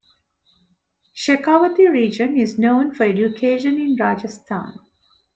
Shekhawati region is known for education in Rajasthan.